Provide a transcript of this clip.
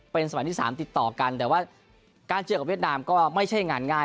เป็นสมัยที่๓ติดต่อกันแต่ว่าการเจอกับเวียดนามก็ไม่ใช่งานง่าย